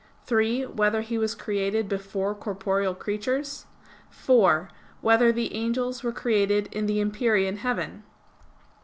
(3) Whether he was created before corporeal creatures? (4) Whether the angels were created in the empyrean heaven?